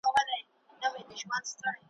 چا په ښار کي یو طبیب وو ورښودلی ,